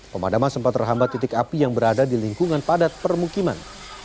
pemadaman sempat terhambat titik api yang berada di lingkungan padat permukiman